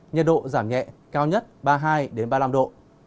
nhiệt độ giảm nhẹ cao nhất ba mươi hai ba mươi năm độ